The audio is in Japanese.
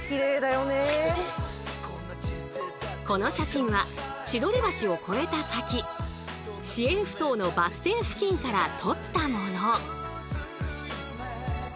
この写真は千鳥橋を越えた先「市営埠頭」のバス停付近から撮ったもの。